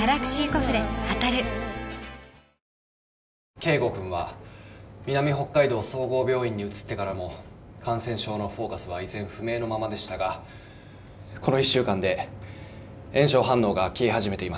圭吾君は南北海道総合病院に移ってからも感染症のフォーカスは依然不明のままでしたがこの１週間で炎症反応が消え始めています。